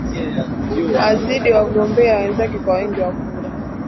azidi wagombea wenzake kwa wingi wa kura